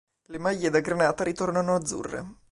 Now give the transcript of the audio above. Le maglie da granata ritornano azzurre.